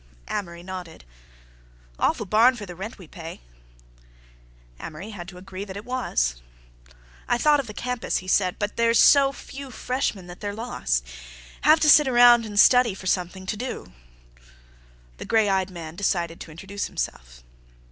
Amory nodded. "Awful barn for the rent we pay." Amory had to agree that it was. "I thought of the campus," he said, "but they say there's so few freshmen that they're lost. Have to sit around and study for something to do." The gray eyed man decided to introduce himself.